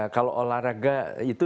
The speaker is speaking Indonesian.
kalau olahraga itu